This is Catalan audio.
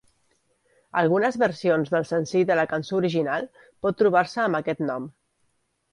Algunes versions del senzill de la cançó original pot trobar-se amb aquest nom.